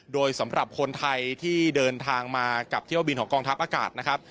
โดยสำหรับคนไทยที่เดินทางมากับเที่ยวบินของกองทัพอากาศนะครับ